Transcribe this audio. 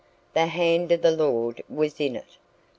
The hand of the Lord was in it.